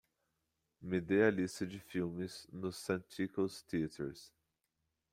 Me dê a lista de filmes no Santikos Theatres